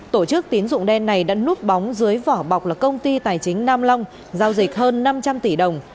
tổ chức tín dụng đen này đã núp bóng dưới vỏ bọc là công ty tài chính nam long giao dịch hơn năm trăm linh tỷ đồng